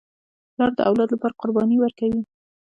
پلار د اولاد لپاره قرباني ورکوي.